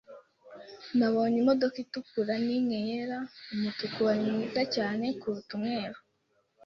Nabonye imodoka itukura nimwe yera. Umutuku wari mwiza cyane kuruta umweru.